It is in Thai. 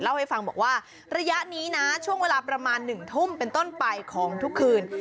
เล่าให้ฟังบอกว่าระยะนี้นะช่วงเวลาประมาณ๑ทุ่มเป็นต้นไปของทุกคืน